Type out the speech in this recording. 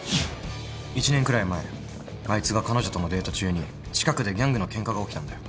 １年くらい前あいつが彼女とのデート中に近くでギャングのケンカが起きたんだよ。